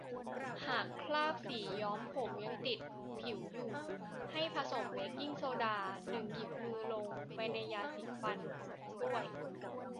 หากคราบสีย้อมผมยังติดผิวอยู่ ให้ผสมเบกกิ้งโซดา หนึ่ง หยิบมือ ลงไปในยาสีฟันด้วย